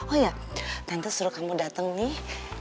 oh iya tante suruh kamu dateng nih